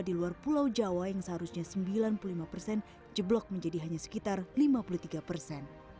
di luar pulau jawa yang seharusnya sembilan puluh lima persen jeblok menjadi hanya sekitar lima puluh tiga persen